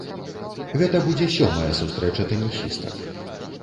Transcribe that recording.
Гэта будзе сёмая сустрэча тэнісістак.